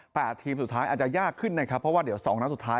ทีมสุดท้ายอาจจะยากขึ้นนะครับเพราะว่าเดี๋ยวสองนัดสุดท้าย